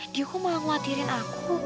dia kok malah nguatirin aku